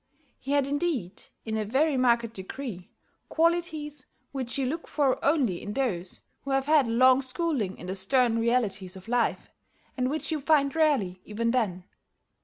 He had, indeed, in a very marked degree, qualities which you look for only in those who have had a long schooling in the stern realities of life, and which you find rarely even then.